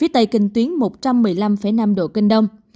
tây kinh tuyến một trăm một mươi năm năm độ kinh đông